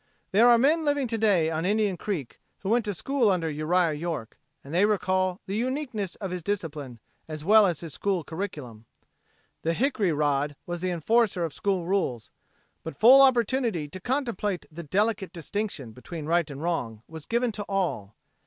There are men living to day on Indian Creek who went to school under Uriah York, and they recall the uniqueness of his discipline as well as his school curriculum. The hickory rod was the enforcer of school rules, but full opportunity to contemplate the delicate distinction between right and wrong was given to all.